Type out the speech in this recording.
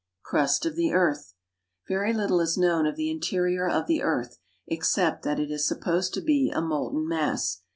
=Crust of the Earth.= Very little is known of the interior of the earth, except that it is supposed to be a molten mass.